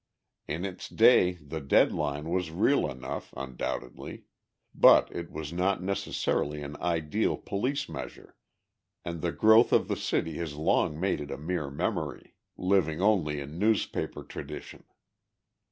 In its day, the "dead line" was real enough, undoubtedly. But it was not necessarily an ideal police measure, and the growth of the city has long made it a mere memory, living only in newspaper tradition.